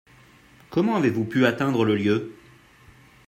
Comment avez-vous pu atteindre le lieu ?